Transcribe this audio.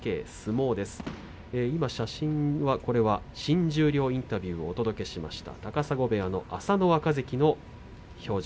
写真は新十両インタビューをお届けしました、高砂部屋の朝乃若関の表情。